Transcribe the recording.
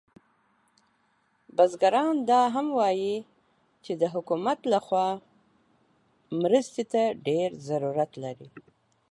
بزګران دا هم وایي چې د حکومت له خوا مرستې ته ډیر ضرورت لري